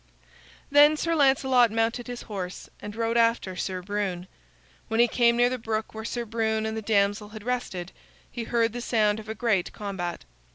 Then Sir Lancelot mounted his horse and rode after Sir Brune. When he came near the brook where Sir Brune and the damsel had rested, he heard the sound of a great combat.